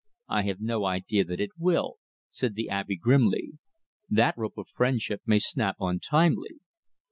"I have no idea that it will," said the Abbe grimly. "That rope of friendship may snap untimely."